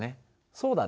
そうだね。